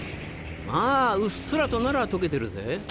まぁうっすらとなら解けてるぜ。